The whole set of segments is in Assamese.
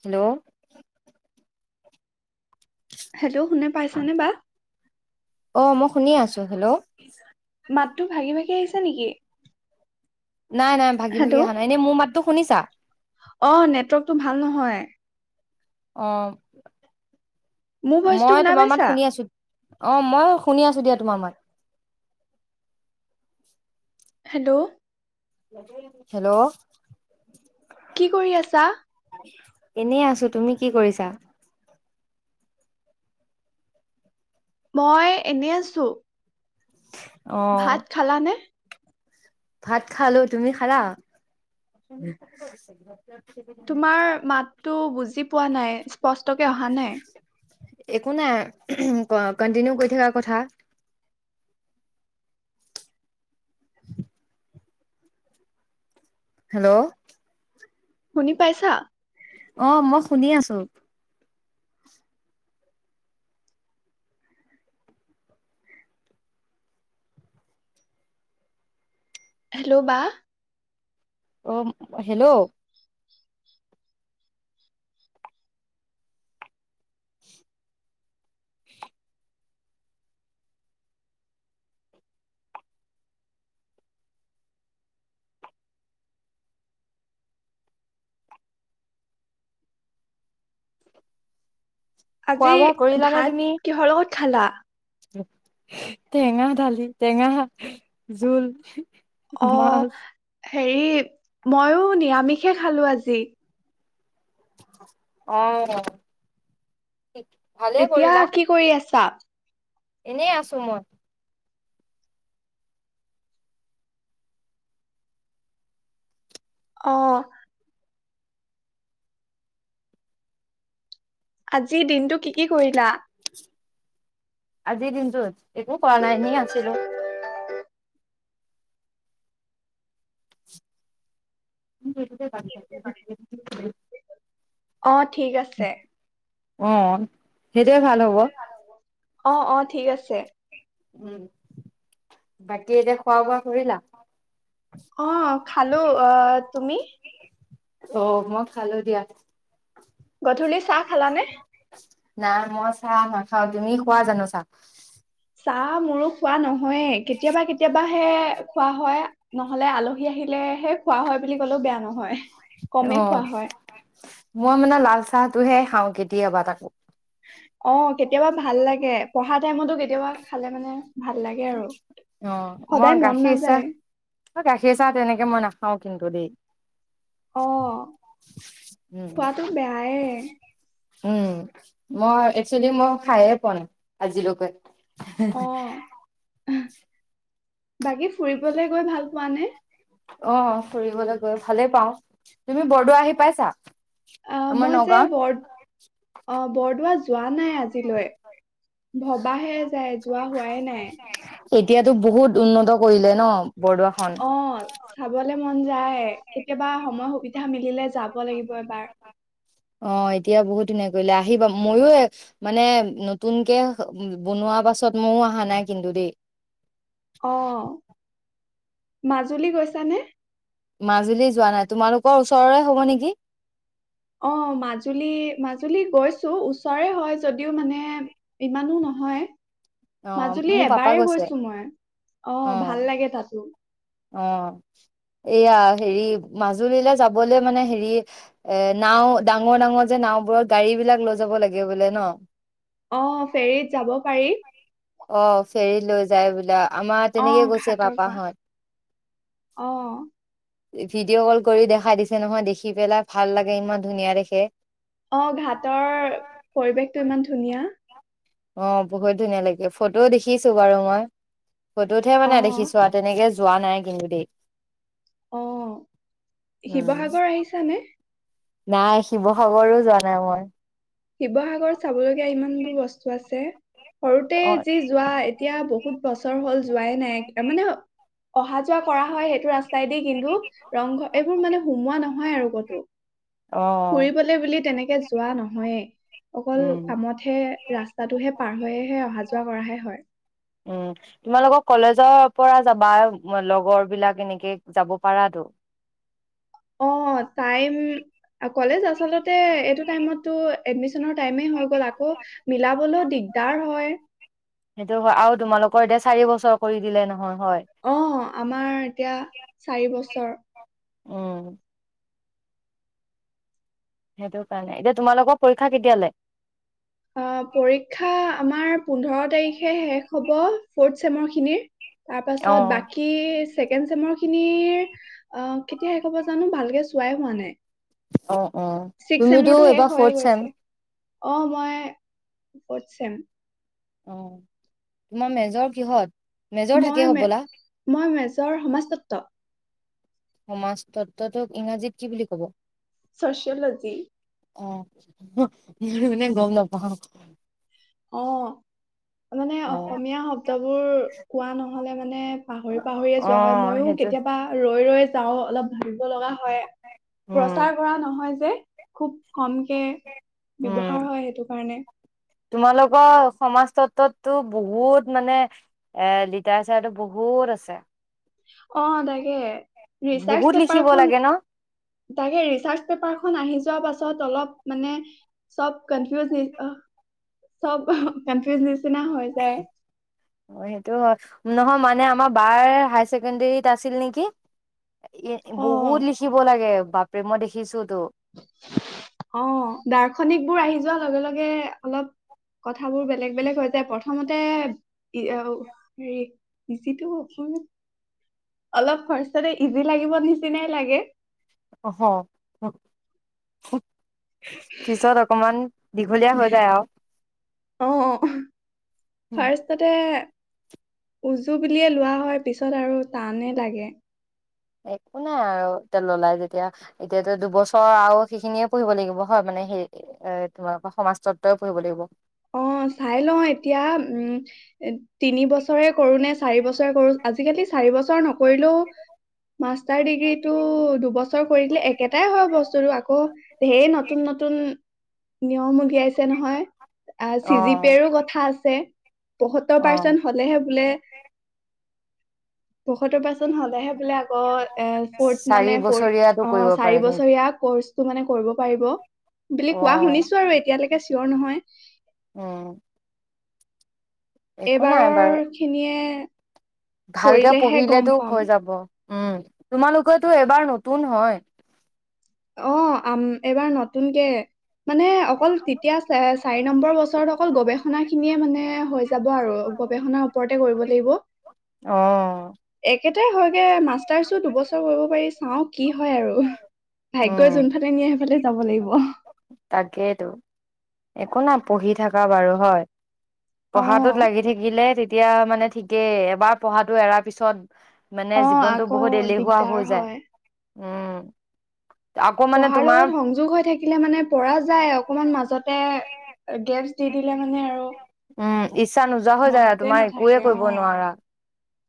হেল্ল' হেল্ল' শোনে পাইছেনে বা? অ' মই শুনি আছো হেল্ল'। মাতটো ভাগি ভাগি আহিছে নেকি? নাই নাই ভাগি ভাগি অহা হেল্ল' নাইনেই মোৰ মাতো শুনিছা? টো ভাল নহয়। অ'। মোৰ ভইচটো মই শুনা তোমাৰ মাত পাইছা শুনি আছোঁ। অ', মই শুনি আছোঁ দিয়া তোমাৰ মাত। হেল্ল'। হেল্ল'। কি কৰি আছা? এনেই আছোঁ। তুমি কি কৰিছা? মই এনে আছোঁ। অ' ভাত খালা নে? ভাত খালোঁ। তুমি খালা? তোমাৰ মাতটো বুজি পোৱা নাই, স্পষ্টকে অহা নাই। একো নাই, কন্টিনিউ কৰি থকা কথা। হেল্ল'। শুনি পাইছা? অ', মই শুনি আছোঁ। হেল্ল' বা। অ', হেল্ল'। [inaudible] আজি খোৱা বোৱা কৰিলানে ভাত কিহৰ লগত খালা? টেঙা‌ দালি, টেঙা শাক, জোল। অ', মাছ এহ। হেৰি, ময়ো নিৰামিষে খালোঁ আজি। অ' অঃ। এতিয়া কি কৰি আছা? এনেই আছোঁ মই। অ'। আজি দিনটো কি-কি কৰিলা? আজিৰ দিনটোত, একো কৰা নাই এনে আছিলোঁ। [unintelligible] [unintelligible] অ' ঠিক আছে। অ'। সেইটোয়ে ভাল হ'ব। অ'-অ' ঠিক আছে। উম, বাকী এতিয়া খোৱা বোৱা কৰিলাঁ? [inaudible] অ', খালোঁ। আঃ তুমি? অ', মই খালোঁ‌ দিয়া। গধূলি চাহ খালানে? নাই, মই চাহ নাখাওঁ। তুমি খোৱা জানো চাহ? চাহ মোৰো খোৱা নহ হয়েই, কেতিয়াবা-কেতিয়াবা সেই খোৱা হয়, নহ'লে আলহী আহিলেহে খোৱা হয় বুলি ক'লেও বেয়া নহয়। কমেই অ', খোৱা হয় মই মানে লাল চাহটোহে খাওঁ। কেতিয়াবা তাকো অ'। কেতিয়াবা ভাল লাগে। পঢ়া টাইমতটো কেতিয়াবা খালে, মানে ভাল লাগে আৰু অ', সদায় মই মন গাখীৰ নাযায় চাহ, গাখীৰ চাহ তেনেকে মই না খাওঁ, কিন্তু দেই অ', উম, খোৱাটো বেয়াই উম, মই, একচুৱেলি মই খাইয়েই পোৱা নাই, আজিলৈকে [inaudible] আহ, বাকী ফুৰিবলৈ গৈ ভাল পোৱানে? অ', ফুৰিবলৈ গৈ ভালেই পাওঁ। তুমি বৰদোৱা আহি পাইছা? আহ আমাৰ মই যে বৰ নগাঁৱত অ', বৰদোৱা যোৱা নাই আজিলৈ। ভবাহে যায়, যোৱা হোৱাই নাই। এতিয়াটো বহুত উন্নত কৰিলে ন? বৰদোৱাখন অ', চাবলে মন যায় কেতিয়াবা সময় সুবিধা মিলিলে যাব লাগিব এবাৰ অ', এতিয়া বহুত। [unintelligible] আহিবা, মইও মানে নতুনকে বনোৱা পাছত ময়ো অহা নাই দেই। অ', মাজুলী গৈছানে? মাজুলী যোৱা নাই, তোমালোকৰ ওচৰৰে হব নেকি? অ' মাজুলী, মাজুলী গৈছোঁ ওচৰৰে হয় যদিও মানে ইমানো নহয়। অ মাজুলী মোৰ পাপা এবাৰেই গৈছে গৈছোঁ মই, অ ভাল লাগে তাতো। অ', এয়া হেৰি মাজুলীলৈ যাবলৈ মানে হেৰি নাওঁ, ডাঙৰ ডাঙৰ যে নাওঁবোৰত গাড়ীবিলাক লৈ যাব লাগে বোলে ন? অ', ফেৰীত যাব পাৰি। অ ফেৰীত লৈ যায় বোলা আমা অ তেনেকে গৈছে ঘাটৰ পৰা পাপাহঁত। অ' ভিডিঅ' ক'ল কৰি দেখাই দিছে নহয় দেখি পেলাই ভাল লাগে ইমান ধুনীয়া দেখে। অ', ঘাটৰ পৰিৱেশটো ইমান ধুনীয়া। অ' বহুত ধুনীয়া লাগে ফটোও দেখিছো বাৰু মই ফটোতহে অ মানে দেখিছো আৰু তেনেকে যোৱা নাই কিন্তু দে, অ শিৱসাগৰ আহিছানে নাই শিৱসাগৰো যোৱা নাই মই শিৱসাগৰত চাবলগীয়া ইমান বোৰ বস্তু আছে। সৰুতে অ যি যোৱা এতিয়া বহুত বহুত বছৰ হ'ল যোৱাই নাই মানে অহা যোৱা কৰা হয় সেইটো ৰাস্তাইদি কিন্তু ৰংঘৰ এইবোৰ মানে সুমোৱা নহয় আৰু কতো। অ ফুৰিবলৈ বুলি তেনেকে তে যোৱা নহয় [inaudible] অকল উম কামতহে ৰাস্তাটোহে পাৰ হৈয়েহে অহা যোৱা কৰাহে হয়। উম তোমালোকৰ কলেজৰ পৰা যাবা লগৰ বিলাক এনেকে যাব পাৰাাতো অ' টাইম কলেজ আচলতে এইটো টাইমটো এডমিছন টাইমেই হৈ গ'ল আকৌ মিলাবলৈও দিগদাৰ হয় ক দে চাৰি বছৰ কৰি দিলে নহয়। হয় অ আমাৰ এতিয়া চাৰি বছৰ উম সেইটো কাৰণে এতিয়া তোমালোকৰ পৰীক্ষা কেতিয়ালৈ অ' পৰীক্ষা আমাৰ। পোন্ধৰ তাৰিখে শেষ হ'ব ফৰ্থ চেমৰ খিনিৰ তাৰ অ পাছত বাকী চেকেণ্ড চেমৰ খিনিৰ অ কেতিয়া শেষব জানো ভালকে চোৱাই হোৱা নাই। অ অ ছিক্স তুমিতো চেমৰটো শেষ এবাৰ হৈয়ে গৈছে ফৰতছেম চন অ মই ফৰত ছেম অ' তোমাৰ মেজৰ কিহত মেজৰ থাকে মই ম হ'বলা মই মেজৰ সমাজতত্ব সমাজ তত্বটোক ইংৰাজীত কি বুলি কব ছচেলজি অ' মনে গম নাপ অ' মানে অ অসমীয়া শব্দবোৰ কোৱা নহলে মানে, মানে পাহৰি পাহৰিয়ে অ যোৱা হয় মইো সেইটো কেতিয়াবা ৰৈ ৰৈ [unintelligible] তাও অলপ ভাবিব লগা হয়, উম প্ৰচাৰ কৰা নহয় যে। খুব কমকে উম ব্যৱহাৰ হয় সেইটো কাৰণে। তোমালোকৰ সমাজতত্বতো বহুত মানে এ লিটাচাৰটো বহুত আছে। অ তাকে ৰিচাৰ্চ বহুত লিখিব পেপাৰখন, লাগে ন তাকে ৰিচাৰ্চ পেপাৰখন আহি যোৱা পাছত অলপ মানে চব কনফিউজ নি অ চব কনফিউজ নিচ নিচিনা হৈ যায়। অ সেইটো হয় নহয় মানে আমাৰ বাৰ হাই ছেকেণ্ডৰীত আছিল নেকি? এ অ বহুত লিখিব লাগে। বাপ্ৰে মই দেখিছোত। অ দাৰ্শনিক বোৰ আহি যোৱা লগে লগে লগে অলপ কথাবোৰ বেলেগ বেলেগ হয় যায়, প্ৰথমতে ইআও হেৰী [unintelligible] অলপ ফাৰ্ষ্টতে ইজি লাগিব নিচিনাই লাগে। অহ পিছত অকমান দীঘলীয়া হৈ যায় আৰু অ উম। ফাৰ্ষ্টতে উজু বুলিয়েই লোৱা হয়, পিছত আৰু টান এ লাগে। একো নাই আৰু এতিয়া ললাই যেতিয়া, এতিয়াটো দুবছৰ আৰু সেইখিনিয়েই পঢ়িব লাগিব হয় মানে হে, তোমালোকৰ সমাজতত্ত্বই পঢ়িব লাগিব। এদ তিনি বছৰেই কৰো নে চাৰি বছৰেই কৰো, আজিকালি চাৰি বছৰ নকৰিলেও মাষ্টাৰ ডিগ্ৰী টো দুবছৰ কৰিলেই একেটাই হয় বস্তুটো আকৌ ধেৰ নতুন নতুন টি নিয়ম উলিৱাইছে নহয়। এ অ চিজিপিয়েৰ ও কথা আছে। পসত্তৰ অ পাৰ্চেন্ট হ'লেহে বুলে পসত্তৰ পাৰ্চেন্ট হ'লেহে বুলে আকৌ এ ফৌৰ্থ চাৰি মানে ফৌৰ্থ, বছৰীয়াটো কৰিব পাৰে চাৰি নেকি বছৰীয়া কোৰ্চটো মানে কৰিব পাৰিব বুলি অ কোৱা শুনিছোঁ আৰু এতিয়ালৈকে চি চিয়ৰ নহয়। অ। এইবাৰৰ খিনিয়ে ভালকে কৰিলেহে পঢ়িলে গম টো পাম হয় যাব। উম, তোমালোকেটো এইবাৰ নতুন হয়। অ, আম, এইবাৰ নতুন কে মানে অকল তেতিয়া চা, চাৰি নম্বৰ বছৰত অকল গৱেষণা খিনিয়ে মানে হয় যাব আৰু, গৱেষণাৰ ওপৰতে কৰিব লাগিব। অ। সেইটোৱে হয়গে, মাষ্টাৰ্ছ ও দুবছৰ কৰিব পৰি, চাওঁ কি হয় আৰু। উম ভাগ্যই যোনফালে নিয়ে সেইফালেই যাব লাগিব। তাকেইতো, একো নাই পঢ়ি থাকা বাৰু হয়। পঢ়াটোত লাগি থাকিলে তেট এতিয়া মানে ঠিকেই, এবাৰ পঢ়াটো এৰাৰ পিছত মানে অ জীৱনটো আকৌ বহুত এলেহুৱা দিগদাৰ হয় যায়। উম। আকৌ মানে পঢ়াৰ তোমাৰ লগত সংযোগ হৈ থাকিলে মানে। পৰা যায় অকনমান মাজতে। [unintelligible] দিলে মানে আৰু [unintelligible] উম, ইচ্ছা নোযোৱা হৈ যায় মনতে তোমাৰ একোৱে নাথাকে অ কৰিব নোৱাৰা।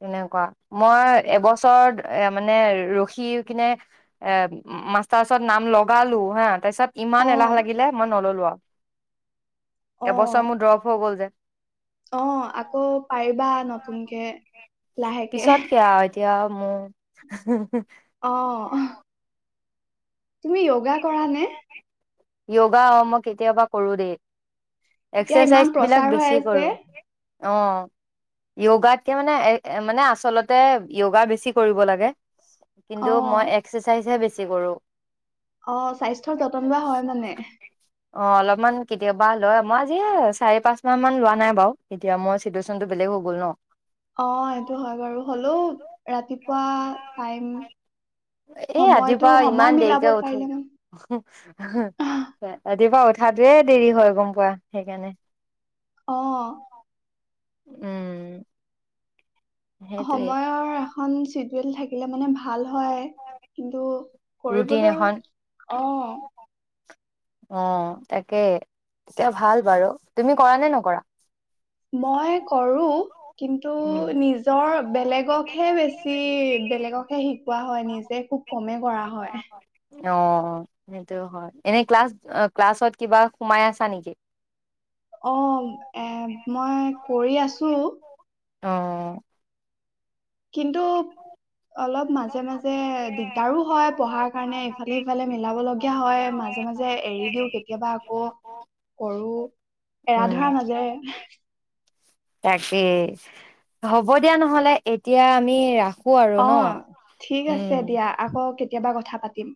তেনেকুৱা, মই এবছৰ মানে ৰখি কেনে এ, উ, মাষ্টাৰছত নাম লগালোঁ, হা। তাৰ পিছত অ ইমান এলাহ লাগিলে মই নললোঁ আও। [inaudible] অ এবছৰ মোৰ ড্ৰ'প হ' গ'ল যে। অ', আকৌ পাৰিবা নতুনকে। পিছতকে লাহেকে আৰু এতিয়া আও। অ'। অ'। তুমি যোগা কৰা নে? যোগা। অ, মই কেতিয়াবা কৰোঁ দেই। এতিয়া ইমান এক্সাৰচাইজবিলাক প্ৰচাৰ হৈ বেছি আছে কৰোঁ। অ', যোগাতকে, মানে, এ, মানে, আচলতে যোগা বেছি কৰিব লাগে কিন্তু অ মই এক্সাৰচাইজহে বেছি তে কৰোঁ অ', স্বাস্থ্যৰ যতন লোৱা হয়, মানে অ', অলপমান কেতিয়াবা লয়। মই আজি এই চাৰি-পাঁচ মাহমান লোৱা নাই বাৰু। এতিয়া মোৰ চিটুৱেচনটো বেলেগ হৈ গ'ল ন অ', এইটো হয় বাৰু। হ'লেও ৰাতিপ এ, সময়টো ৰাতিপুৱা সময় ইমান মিলাব দেৰিকৈ উঠোঁ। পাৰিলে মানে এ ৰাতিপুৱা উঠাতোয়েই দেৰি হয়, গম পোৱা। সেইকাৰণে অ'। উম। সেইটোৱে সময়ৰ, এখন চি ডিউল থাকিলে, মানে, ভাল হয়, কিন্তু ৰুটিন কৰিবলৈ, এখন অ' অ তাকেই, তেতিয়া ভাল বাৰু তুমি কৰা নে নকৰা? মই কৰোঁ। কিন্তু উম নিজৰ বেলেগকহে বেছি বেলেগকহে শিকোৱা হয় নিজে খুব কমেই কৰা হয়। অ' সেইটো হয়, এনে ক্লাছ ক্লাছত কিবা সোমাই আছা নেকি? অ', এ মই কৰি আছোঁ। অ'। কিন্তু অলপ মাজে মাজে দিগদাৰো হয় পঢ়াৰ কাৰণে, ইফালে সিফালে মিলাব লগীয়া হয় মাজে মাজে এৰি দিও কেতিয়াবা আকৌ কৰো, এৰা উম ধৰাৰ মাজেৰে। তাকেই, হ'ব দিয়া নহ'লে এতিয়া আমি ৰা শু আৰু ন? অঁ ঠিক আছে উম দিয়া, আকৌ কেতিয়া এটা কথা পাতিম।